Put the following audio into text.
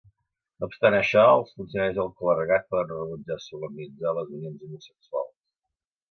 No obstant això, els funcionaris i el clergat poden rebutjar solemnitzar les unions homosexuals.